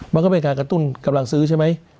มันก็เป็นการกระตุ้นกำลังซื้อใช่ไหม